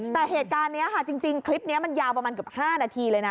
แต่เหตุการณ์นี้ค่ะจริงคลิปนี้มันยาวประมาณเกือบ๕นาทีเลยนะ